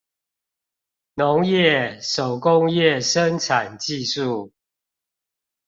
農業、手工業生產技術